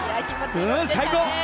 最高！